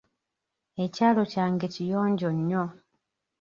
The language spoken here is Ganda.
Ekyalo kyange kiyonjo nnyo.